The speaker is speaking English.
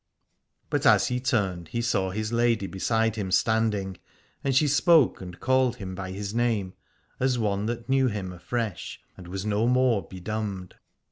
But as he turned he saw his lady beside him standing, and she spoke and called him 199 Aladore by his name as one that knew him afresh and was no more bedumbed.